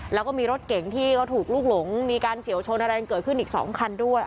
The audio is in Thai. แล้วก็มีรถเก่งที่เขาถูกลูกหลงมีการเฉียวชนอะไรเกิดขึ้นอีก๒คันด้วย